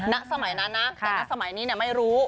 ณสมัยนั้นนะแต่ณสมัยนี้ไม่รู้